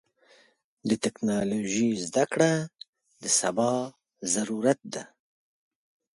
د ټکنالوژۍ زدهکړه د سبا ضرورت ده.